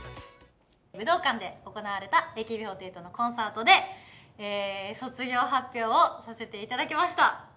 武道館で行われたＡＫＢ４８のコンサートで、卒業発表をさせていただきました。